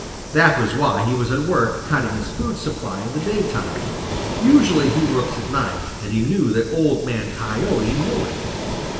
That was why he was at work cutting his food supply in the daytime. Usually he works at night, and he knew that Old Man Coyote knew it.